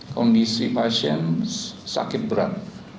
kondisi pasien sakit berat